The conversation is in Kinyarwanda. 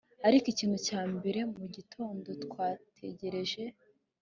Ariko ikintu cya mbere mugitondo twatekereje